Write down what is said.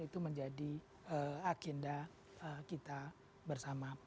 itu menjadi agenda kita bersama